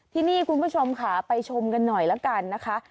ที่นี่คุณผู้ชมค่ะไปชมกันหน่อยแล้วกันนะคะ